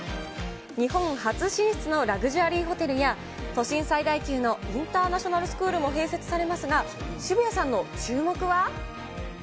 日本初進出のラグジュアリーホテルや、都心最大級のインターナショナルスクールも併設されますが、渋谷さんの注目は。